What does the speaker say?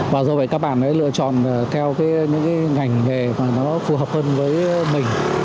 và do vậy các bản lựa chọn theo những ngành nghề phù hợp hơn với mình